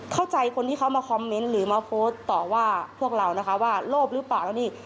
คนที่เขามาคอมเมนต์หรือมาโพสต์ต่อว่าพวกเรานะคะว่าโลภหรือเปล่าแล้วนี่